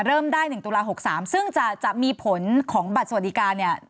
เริ่มได้๑ตุลา๖๓ซึ่งจะมีผลของบัตรสวัสดิการเนี่ย